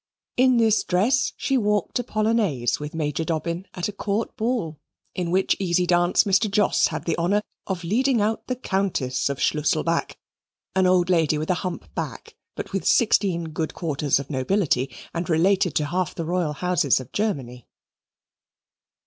In this dress she walked a Polonaise with Major Dobbin at a Court ball, in which easy dance Mr. Jos had the honour of leading out the Countess of Schlusselback, an old lady with a hump back, but with sixteen good quarters of nobility and related to half the royal houses of Germany.